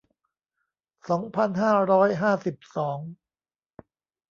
สองพันห้าร้อยห้าสิบสอง